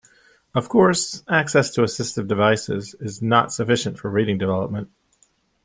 Of course, access to assistive devices is not sufficient for reading development.